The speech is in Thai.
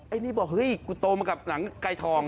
อันนี้บอกเฮ้ยกูโตมากับหนังไก่ทอง